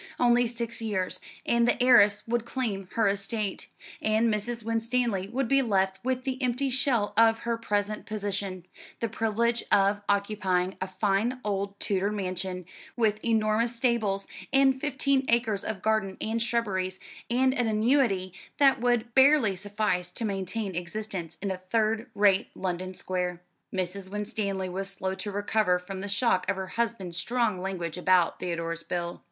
Only six years, and the heiress would claim her estate, and Mrs. Winstanley would be left with the empty shell of her present position the privilege of occupying a fine old Tudor mansion, with enormous stables, and fifteen acres of garden and shrubberies, and an annuity that would barely suffice to maintain existence in a third rate London square. Mrs. Winstanley was slow to recover from the shock of her husband's strong language about Theodore's bill.